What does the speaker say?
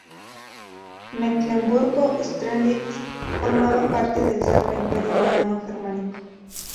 Mecklemburgo-Strelitz formaba parte del Sacro Imperio Romano Germánico.